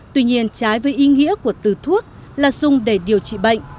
tuy nhiên trái với ý nghĩa của từ thuốc là dùng để điều trị bệnh